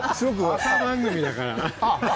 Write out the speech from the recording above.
朝番組だから。